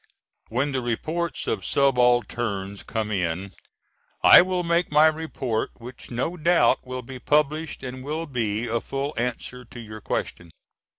When the reports of subalterns come in I will make my report which no doubt will be published and will be a full answer to your question.